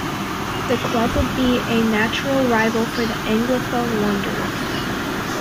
The club would be a natural rival for the anglophone Wanderers.